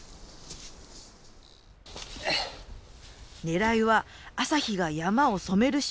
狙いは朝日が山を染める瞬間。